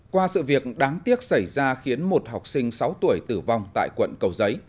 qua sự việc đáng tiếc xảy ra khiến một học sinh sáu tuổi tử vong tại quận cầu giấy